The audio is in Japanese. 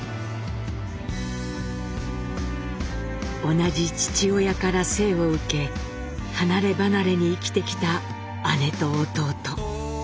同じ父親から生を受け離れ離れに生きてきた姉と弟。